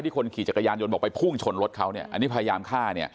คนขี่จักรยานยนต์บอกไปพุ่งชนรถเขาเนี่ยอันนี้พยายามฆ่า